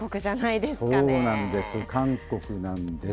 そうなんです、韓国なんです。